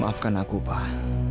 maafkan aku pak